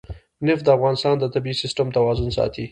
نفت د افغانستان د طبعي سیسټم توازن ساتي.